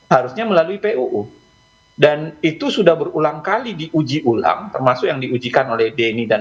harusnya melalui puu dan itu sudah berulang kali diuji ulang termasuk yang diujikan oleh denny dan